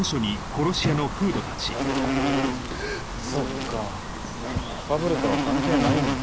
そっかファブルとは関係ないんだ。